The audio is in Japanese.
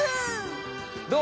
どう？